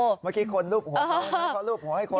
เมื่อกี้คนลูบหัวเขาขอลูบหัวให้คน